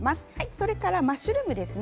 それからマッシュルームですね。